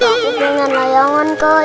aku punya layangan kak